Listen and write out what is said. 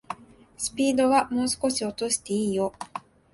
スピードはもう少し落としていいよ